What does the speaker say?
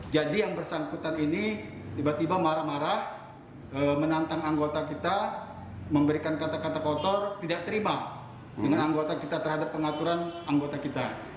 jadi yang bersangkutan ini tiba tiba marah marah menantang anggota kita memberikan kata kata kotor tidak terima dengan anggota kita terhadap pengaturan anggota kita